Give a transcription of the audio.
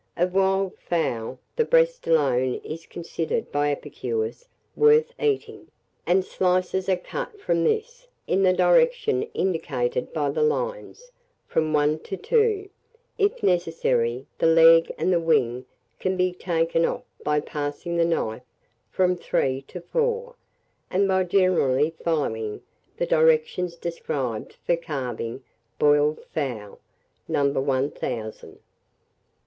Of wild fowl, the breast alone is considered by epicures worth eating, and slices are cut from this, in the direction indicated by the lines, from 1 to 2; if necessary, the leg and wing can be taken off by passing the knife from 3 to 4, and by generally following the directions described for carving boiled fowl, No. 1000. ROAST HARE.